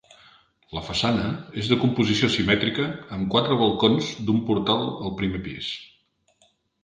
La façana és de composició simètrica amb quatre balcons d'un portal al primer pis.